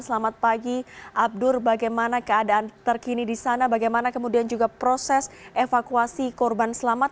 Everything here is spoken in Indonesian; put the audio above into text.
selamat pagi abdur bagaimana keadaan terkini di sana bagaimana kemudian juga proses evakuasi korban selamat